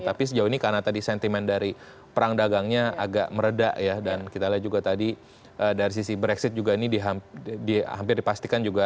tapi sejauh ini karena tadi sentimen dari perang dagangnya agak meredah ya dan kita lihat juga tadi dari sisi brexit juga ini hampir dipastikan juga